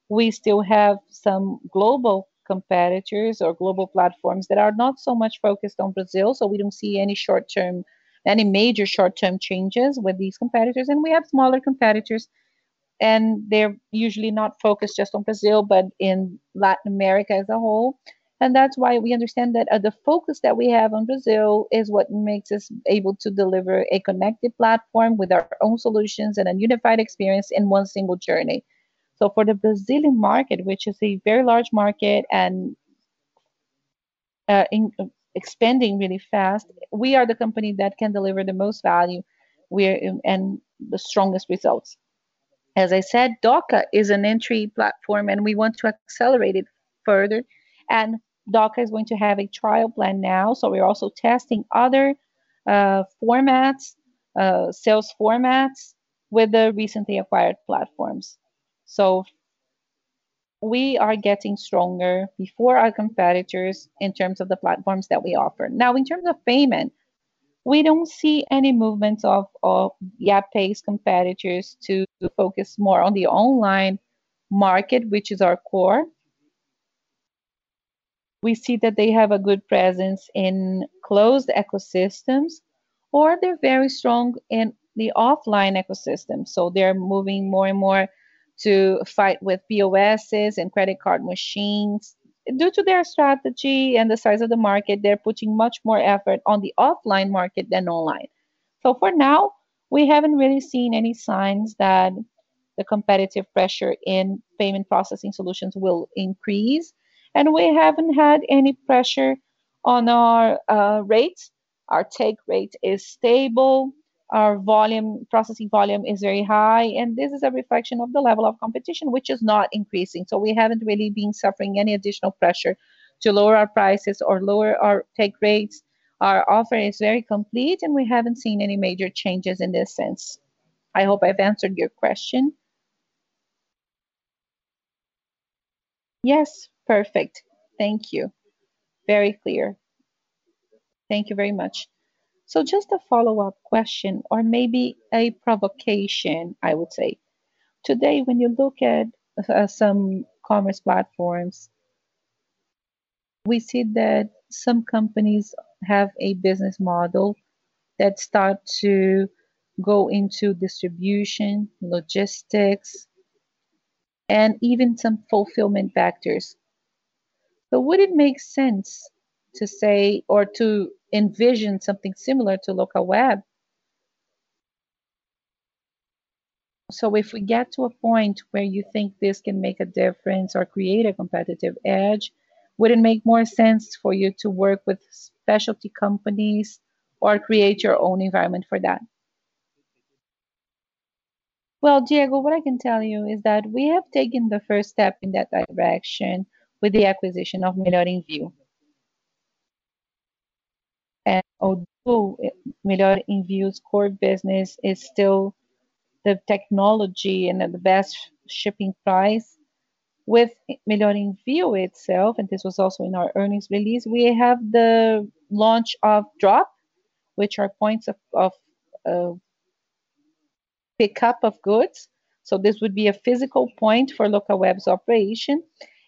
we still have some global competitors or global platforms that are not so much focused on Brazil. We don't see any major short-term changes with these competitors. We have smaller competitors, and they're usually not focused just on Brazil, but in Latin America as a whole. That's why we understand that the focus that we have on Brazil is what makes us able to deliver a connected platform with our own solutions and a unified experience in one single journey. For the Brazilian market, which is a very large market and expanding really fast, we are the company that can deliver the most value and the strongest results. As I said, Dooca is an entry platform, and we want to accelerate it further, and Dooca is going to have a trial plan now. We're also testing other formats, sales formats with the recently acquired platforms. We are getting stronger before our competitors in terms of the platforms that we offer. In terms of payment, we don't see any movements of Yapay's competitors to focus more on the online market, which is our core. We see that they have a good presence in closed ecosystems, or they're very strong in the offline ecosystem. They're moving more and more to fight with POSs and credit card machines. Due to their strategy and the size of the market, they're putting much more effort on the offline market than online. For now, we haven't really seen any signs that the competitive pressure in payment processing solutions will increase, and we haven't had any pressure on our rates. Our take rate is stable. Our processing volume is very high. This is a reflection of the level of competition, which is not increasing. We haven't really been suffering any additional pressure to lower our prices or lower our take rates. Our offer is very complete. We haven't seen any major changes in this sense. I hope I've answered your question. Yes. Perfect. Thank you. Very clear. Thank you very much. Just a follow-up question or maybe a provocation, I would say. Today, when you look at some commerce platforms, we see that some companies have a business model that start to go into distribution, logistics and even some fulfillment factors. Would it make sense to say or to envision something similar to Locaweb? If we get to a point where you think this can make a difference or create a competitive edge, would it make more sense for you to work with specialty companies or create your own environment for that? Well, Diego, what I can tell you is that we have taken the first step in that direction with the acquisition of Melhor Envio. Although Melhor Envio's core business is still the technology and at the best shipping price, with Melhor Envio itself, this was also in our earnings release, we have the launch of Drop, which are points of pickup of goods. This would be a physical point for Locaweb's operation.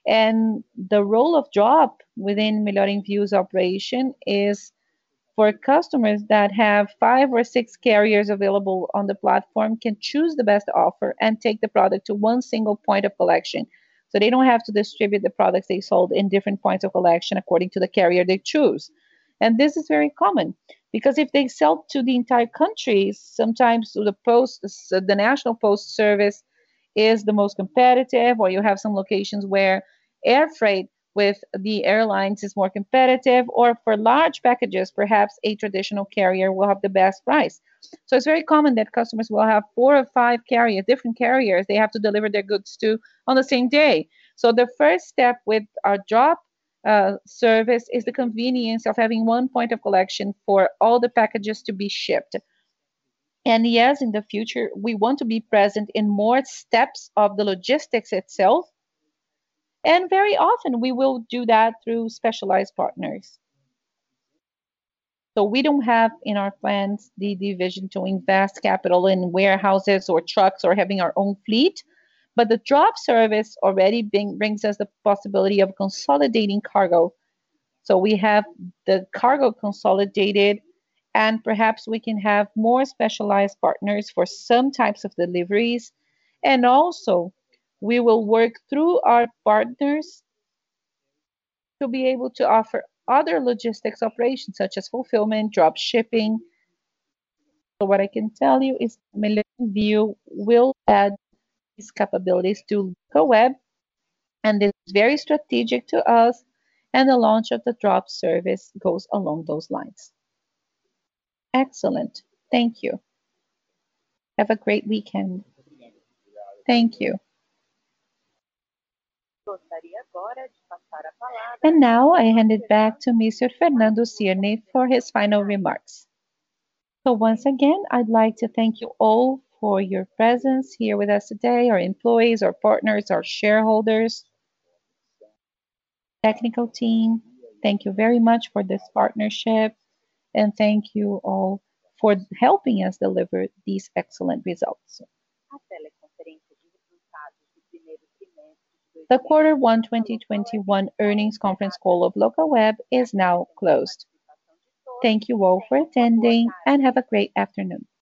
The role of Drop within Melhor Envio's operation is for customers that have five or six carriers available on the platform can choose the best offer and take the product to one single point of collection. They don't have to distribute the products they sold in different points of collection according to the carrier they choose. This is very common because if they sell to the entire country, sometimes the national post service is the most competitive, or you have some locations where air freight with the airlines is more competitive, or for large packages, perhaps a traditional carrier will have the best price. It's very common that customers will have four or five different carriers they have to deliver their goods to on the same day. The first step with our Drop service is the convenience of having one point of collection for all the packages to be shipped. Yes, in the future, we want to be present in more steps of the logistics itself. Very often we will do that through specialized partners. We don't have in our plans the vision to invest capital in warehouses or trucks or having our own fleet. The Drop service already brings us the possibility of consolidating cargo. We have the cargo consolidated, and perhaps we can have more specialized partners for some types of deliveries. Also, we will work through our partners to be able to offer other logistics operations, such as fulfillment, drop shipping. What I can tell you is Melhor Envio will add these capabilities to Locaweb, and this is very strategic to us, and the launch of the Drop service goes along those lines. Excellent. Thank you. Have a great weekend. Thank you. Now I hand it back to Mr. Fernando Cirne for his final remarks. Once again, I'd like to thank you all for your presence here with us today, our employees, our partners, our shareholders, technical team. Thank you very much for this partnership, and thank you all for helping us deliver these excellent results. The quarter one 2021 earnings conference call of Locaweb is now closed. Thank you all for attending, and have a great afternoon.